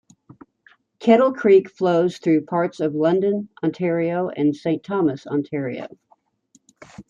Kettle Creek flows through parts of London, Ontario and Saint Thomas, Ontario.